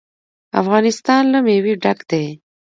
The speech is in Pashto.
افغانستان له مېوې ډک دی.